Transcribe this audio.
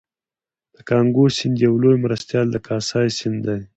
د کانګو سیند یو لوی مرستیال د کاسای سیند دی